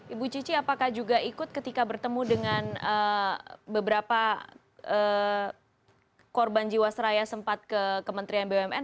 ibu cici apakah juga ikut ketika bertemu dengan beberapa korban jiwa seraya sempat ke kementerian bumn